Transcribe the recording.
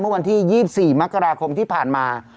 วันที่๒๔มกราคมที่ผ่านมา